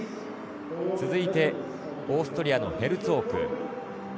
続いてオーストリアのヘルツォーク。